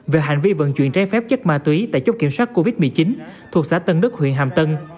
về hành vi vận chuyển trái phép chất ma túy tại chốt kiểm soát covid một mươi chín thuộc xã tân đức huyện hàm tân